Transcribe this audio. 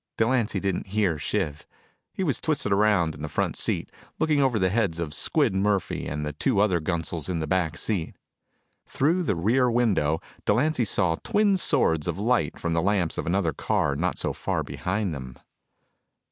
Delancy didn't hear Shiv. He was twisted around in the front seat, looking over the heads of Squid Murphy and the two other gunsels in the back seat. Through the rear window, Delancy saw twin swords of light from the lamps of another car not so far behind them.